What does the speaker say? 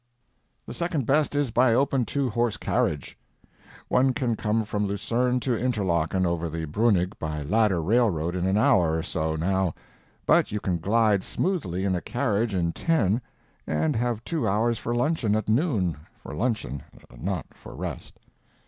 The second best is by open two horse carriage. One can come from Lucerne to Interlaken over the Brunig by ladder railroad in an hour or so now, but you can glide smoothly in a carriage in ten, and have two hours for luncheon at noon—for luncheon, not for rest.